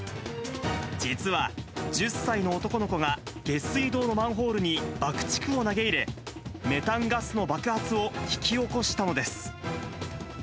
実は、１０歳の男の子が下水道のマンホールに爆竹を投げ入れ、メタンガスの爆発を引き起こしたのです。